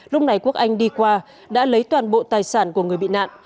lúc này quốc anh đi qua đã lấy toàn bộ tài sản của người bị nạn